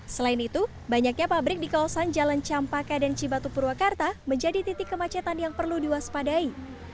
selain itu banyaknya pabrik di kawasan jalan campaka dan cibatu purwakarta menjadi titik kemacetan yang perlu diwaspadai